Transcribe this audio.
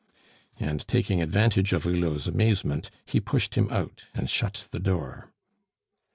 And taking advantage of Hulot's amazement, he pushed him out and shut the door.